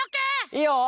いいよ！